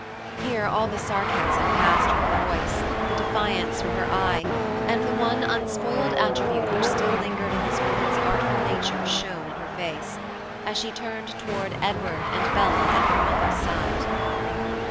Here all the sarcasm passed from her voice, the defiance from her eye, and the one unspoiled attribute which still lingered in this woman's artful nature shone in her face, as she turned toward Edward and Bella at their mother's side.